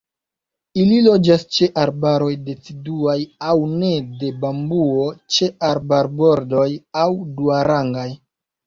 Ili loĝas ĉe arbaroj deciduaj aŭ ne, de bambuo, ĉe arbarbordoj aŭ duarangaj.